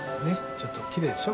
ちょっときれいでしょ？